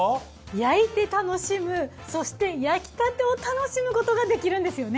焼いて楽しむそして焼きたてを楽しむことができるんですよね。